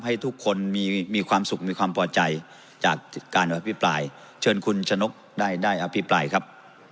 ให้ทุกคนมีความสุขมีความพอใจจากการอภิปรายเชิญคุณชะนกได้ได้อภิปรายครับ